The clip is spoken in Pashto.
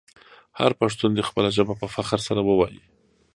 هر پښتون دې خپله ژبه په فخر سره وویې.